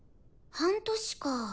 半年か。